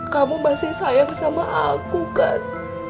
kamu masih sayang sama aku kan